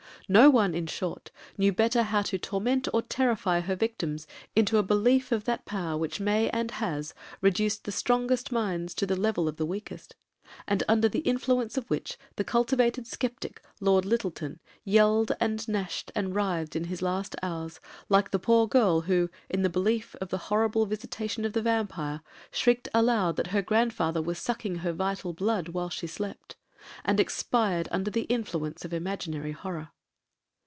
No one, in short, knew better how to torment or terrify her victims into a belief of that power which may and has reduced the strongest minds to the level of the weakest; and under the influence of which the cultivated sceptic, Lord Lyttleton, yelled and gnashed and writhed in his last hours, like the poor girl who, in the belief of the horrible visitation of the vampire, shrieked aloud, that her grandfather was sucking her vital blood while she slept, and expired under the influence of imaginary horror.